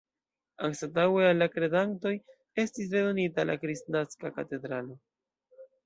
Anstataŭe al la kredantoj estis redonita la Kristnaska katedralo.